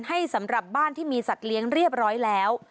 สำหรับบ้านที่มีสัตว์เลี้ยงเรียบร้อยแล้ว